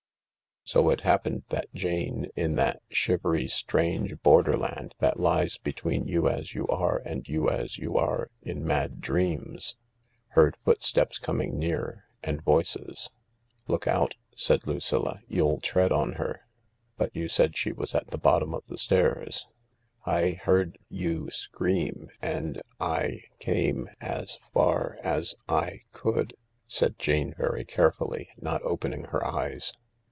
So it happened that Jane in that shivery strange border land that lies between you as you are and you as you are in mad dreams, heard footsteps coming near, and voices. " Look out," said Lucilla, " you'll tread on her !"" But you said she was at the bottom of the stairs." " I heard ... you «.. scream ... and ... I .• came ... as ... far ... as ... I ... could," said Jane very carefully, not opening her eyes.